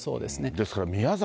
ですから宮崎